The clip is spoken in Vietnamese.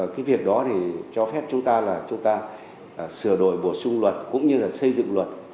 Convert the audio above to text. cái việc đó cho phép chúng ta sửa đổi bổ sung luật cũng như xây dựng luật